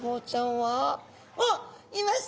あっいました！